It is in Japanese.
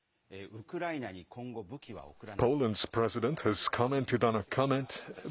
ウクライナに今後武器は送らない。